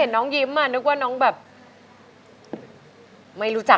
กลับมาเมื่อเวลา